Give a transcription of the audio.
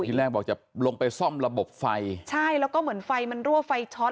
ที่แรกบอกจะลงไปซ่อมระบบไฟใช่แล้วก็เหมือนไฟมันรั่วไฟช็อต